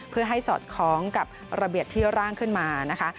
เพื่อให้สอดคล้องกับระเบียบที่ร่างขึ้นมานะคะ